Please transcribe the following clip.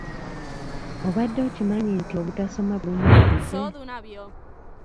Obadde okimanyi nti obutasoma buluma okuze?